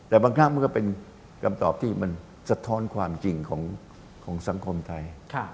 แต่บางครั้งมันก็เป็นคำตอบที่มันสะท้อนความจริงของสังคมไทย